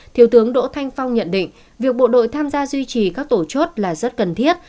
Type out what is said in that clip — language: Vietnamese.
thiếu tướng đỗ thanh phong nhận định việc bộ đội tham gia duy trì các tổ chốt là rất cần thiết